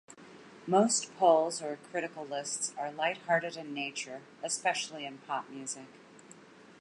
Most polls or critical lists are light-hearted in nature, especially in pop music.